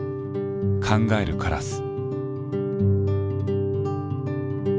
「考えるカラス」。